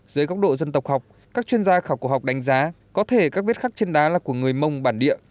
dưới góc độ dân tộc học các chuyên gia khảo cổ học đánh giá có thể các vết khắc trên đá là của người mông bản địa